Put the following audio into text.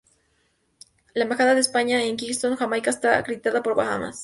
La embajada de España en Kingston, Jamaica, está acreditada para Bahamas.